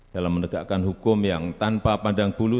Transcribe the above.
dalam menegakkan hukum yang tanpa pandang bulu